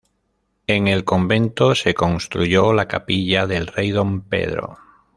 En el convento se construyó la capilla del Rey Don Pedro.